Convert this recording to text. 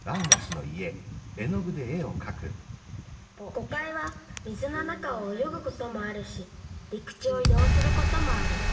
ゴカイは水の中をおよぐこともあるしりくちをいどうすることもある。